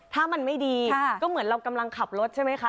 ถ้ามันไม่ดีก็เหมือนเรากำลังขับรถใช่ไหมคะ